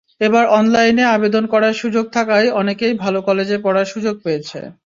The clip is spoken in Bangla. এবার অনলাইনে আবেদন করার সুযোগ থাকায় অনেকেই ভালো কলেজে পড়ার সুযোগ পেয়েছে।